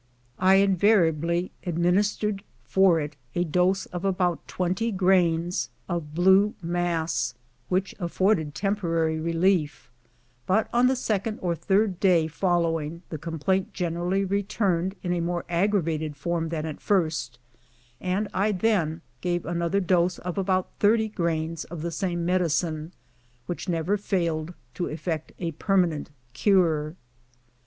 I in variably administered for it a dose of about twenty grains X 242 THE TOP OF THE PASS. of blue mass, which afforded temporary relief, but on the second or third day following the complaint generally re turned in a more aggravated form than at first, and I then gave another dose of about thirty grains of the same medi cine, which never failed to effect a permanent cure.